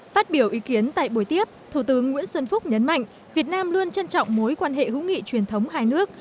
phát biểu ý kiến tại buổi tiếp thủ tướng nguyễn xuân phúc nhấn mạnh việt nam luôn trân trọng mối quan hệ hữu nghị truyền thống hai nước